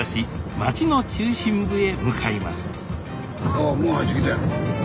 あもう入ってきたやん。